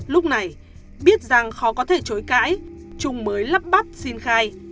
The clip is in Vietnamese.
lúc này biết rằng khó có thể chối cãi trung mới lắp bắp xin khai